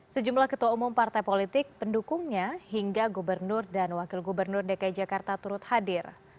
sejumlah ketua umum partai politik pendukungnya hingga gubernur dan wakil gubernur dki jakarta turut hadir